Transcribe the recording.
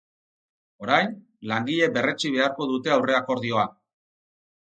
Orain, langileek berretsi beharko dute aurrekordioa.